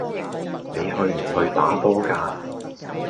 你去唔去打波㗎